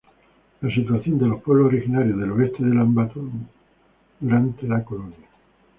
La situación de los Pueblos Originarios del Oeste del Ambato durante la Colonia.